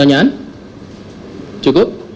apsifo kan kayaknya tidak berminat